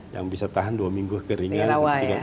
yang bisa tahan dua minggu kekeringan